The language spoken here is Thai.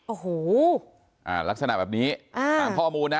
โอ้โหลักษณะแบบนี้ตามข้อมูลนะ